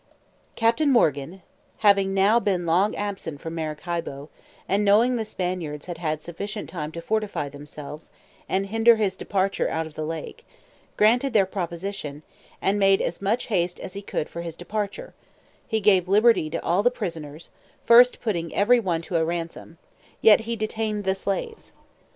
Captain Morgan having now been long absent from Maracaibo, and knowing the Spaniards had had sufficient time to fortify themselves, and hinder his departure out of the lake, granted their proposition, and made as much haste as he could for his departure: he gave liberty to all the prisoners, first putting every one to a ransom; yet he detained the slaves.